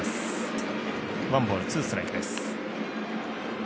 ワンボール、ツーストライクです。